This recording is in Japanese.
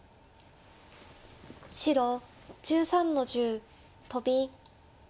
白１３の十トビ。